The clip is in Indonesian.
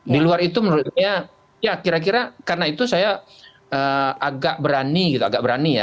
di luar itu menurut saya ya kira kira karena itu saya agak berani gitu agak berani ya